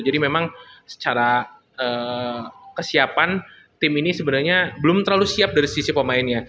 jadi memang secara kesiapan tim ini sebenarnya belum terlalu siap dari sisi pemainnya